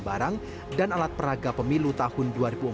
barang dan alat peraga pemilu tahun dua ribu empat belas